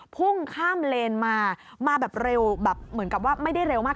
พุ่งข้ามเลนมามาแบบเร็วแบบเหมือนกับว่าไม่ได้เร็วมาก